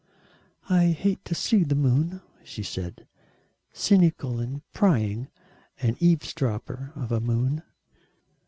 "I hate to see the moon," she said, "cynical and prying an eavesdropper of a moon."